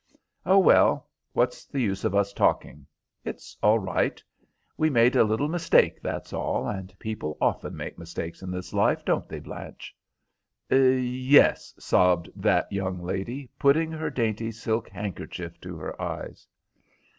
"Oh, well, what's the use of us talking? It's all right. We made a little mistake, that's all, and people often make mistakes in this life, don't they, Blanche?" "Yes," sobbed that young lady, putting her dainty silk handkerchief to her eyes.